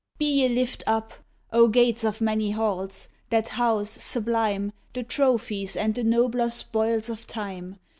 Be ye lift up, O gates of many halls, That house, sublime, The trophies and the nobler spoils of Time